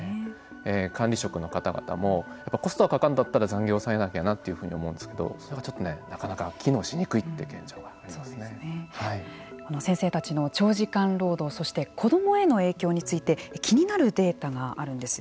管理職の方々もコストはかかるんだったら残業を抑えねばならないと思うんですがそれはちょっとねなかなか機能しにくいって現状が先生たちの長時間労働そして子どもへの影響について気になるデータがあるんです。